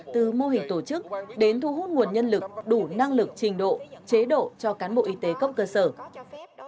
từ mô hình tổ chức đến thu hút nguồn nhân lực đủ năng lực trình độ chế độ cho cán bộ y tế cấp cơ sở